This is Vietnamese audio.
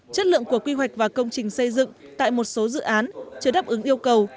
chất lượng của quy hoạch và công trình xây dựng tại một số dự án chưa đáp ứng yêu cầu